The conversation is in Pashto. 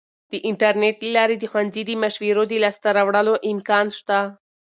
د انټرنیټ له لارې د ښوونځي د مشورو د لاسته راوړلو امکان شته.